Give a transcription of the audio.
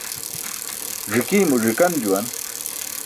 Ẓi̇kii̇ mo ẓi̇kan juwan.